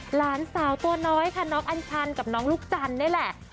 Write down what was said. หลานสาวตัวน้อยค่ะน้องอัญชันกับน้องลูกจันทร์นี่แหละ